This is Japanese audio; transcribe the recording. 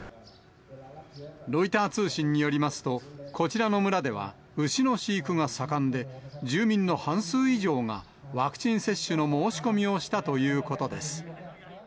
ロイター通信によりますと、こちらの村では牛の飼育が盛んで、住民の半数以上が、ワクチン接種の申し込みをしたということです。